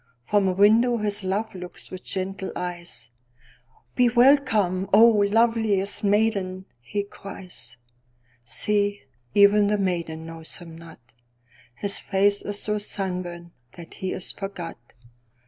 From a window his love looks with gentle eyes."Be welcome, oh, loveliest maiden!" he cries. See, even the maiden knows him not:His face is so sunburnt that he is forgot.